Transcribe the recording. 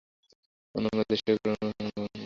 অন্য অন্য দেশে এ পোড়া তামাকের হাঙ্গামা বড়ই হাঙ্গামা।